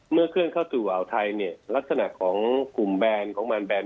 เคลื่อนเข้าสู่อ่าวไทยเนี่ยลักษณะของกลุ่มแบนของมันแบน